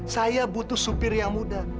saya butuh supir yang muda